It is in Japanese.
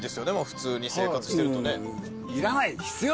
普通に生活してるとね。